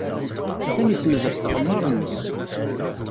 Atan isenned ɣef tɣemmar-nnes.